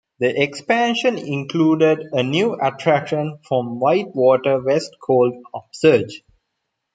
The expansion included a new attraction from WhiteWater West called UpSurge!